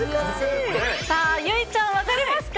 さあ、結実ちゃん、分かりますか？